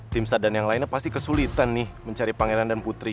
tim sadan yang lainnya pasti kesulitan nih mencari pangeran dan putri